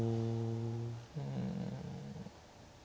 うん。